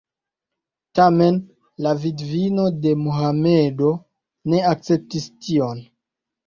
Tamen la vidvino de Mohamedo ne akceptis tion.